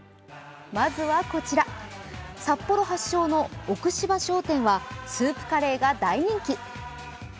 まずはこちら、札幌発祥の奥芝商店はスープカレーが大人気。